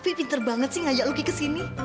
opi pinter banget sih ngajak lucky kesini